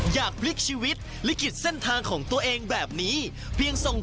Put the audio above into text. อยากบลิกชีวิตและคิดเส้นทางของตัวเองแบบนี้